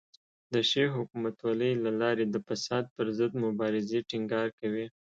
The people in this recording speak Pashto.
د ښې حکومتولۍ له لارې د فساد پر ضد مبارزې ټینګار کوي.